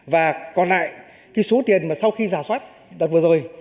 và còn lại cái số tiền mà sau khi giả soát đợt vừa rồi